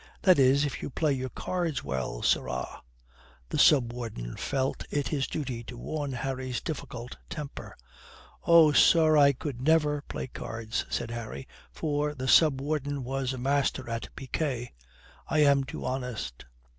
"That is, if you play your cards well, sirrah," the Sub Warden felt it his duty to warn Harry's difficult temper. "Oh, sir, I could never play cards," said Harry, for the Sub Warden was a master at picquet. "I am too honest."